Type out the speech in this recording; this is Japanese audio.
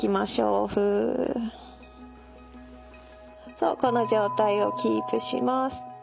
そうこの状態をキープします。